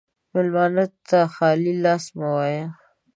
مېلمه ته خالي لاس مه وایه.